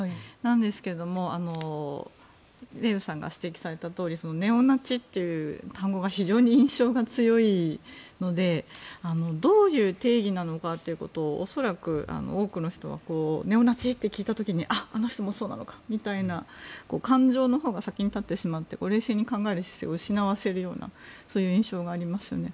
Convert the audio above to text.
ですけど、デーブさんが指摘されたとおりネオナチという単語が非常に印象が強いのでどういう定義なのかということを恐らく多くの人はネオナチって聞いた時にあの人もそうなのかという感情のほうが先に立ってしまって冷静に考える姿勢を失わせるような印象がありますね。